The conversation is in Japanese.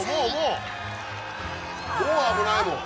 もう危ないもん！